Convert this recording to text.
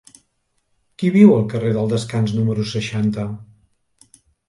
Qui viu al carrer del Descans número seixanta?